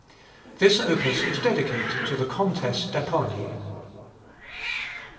This opus is dedicated to the Comtesse d'Appony.